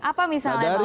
apa misalnya bang fahri